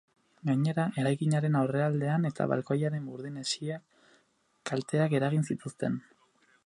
Gainera, eraikinaren aurrealdean eta balkoiaren burdin hesian kalteak eragin zituzten.